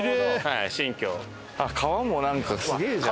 川もすげえじゃん！